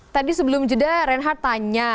tadi sebelum jeda renhat tanya